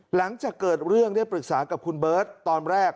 หลังจากเกิดเรื่องได้ปรึกษากับคุณเบิร์ตตอนแรก